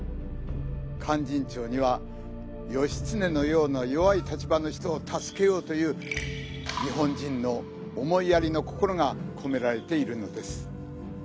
「勧進帳」には義経のような弱い立場の人をたすけようという日本人の思いやりの心がこめられているのです。